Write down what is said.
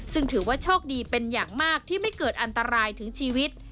ซึ่งถือว่าโชคดีเป็นอย่างมากที่ไม่เกิดอันตรายถึงชีวิต